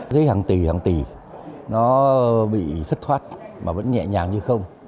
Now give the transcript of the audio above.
dưới hàng tỷ hàng tỷ nó bị thất thoát mà vẫn nhẹ nhàng như không